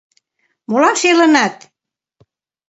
Молан шелынат?